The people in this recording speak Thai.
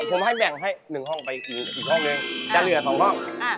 ผมให้แบ่งให้๑ห้องไปอีกห้องนึงจะเหลือ๒ห้อง